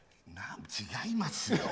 違いますよ。